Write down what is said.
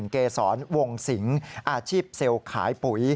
เกษรวงสิงอาชีพเซลล์ขายปุ๋ย